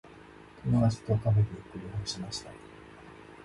友達とカフェでゆっくり話しました。